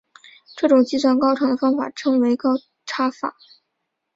这种计算高程的方法称为高差法。